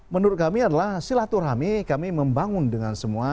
menurut kami adalah silaturahmi kami membangun dengan semua